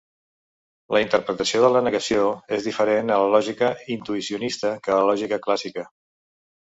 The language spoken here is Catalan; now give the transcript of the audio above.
La interpretació de la negació és diferent a la lògica intuïcionista que a la lògica clàssica.